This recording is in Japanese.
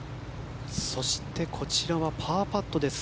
そして、こちらはパーパットです。